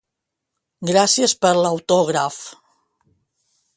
Gràcies per l'autògraf.